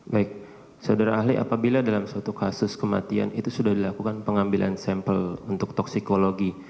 baik saudara ahli apabila dalam suatu kasus kematian itu sudah dilakukan pengambilan sampel untuk toksikologi